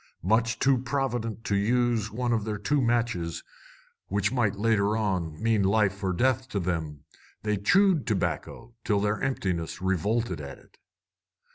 Much too provident to use one of their two matches, which might, later on, mean life or death to them, they chewed tobacco till their emptiness revolted at it.